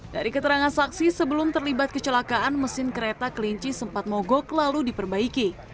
dari keterangan saksi sebelum terlibat kecelakaan mesin kereta kelinci sempat mogok lalu diperbaiki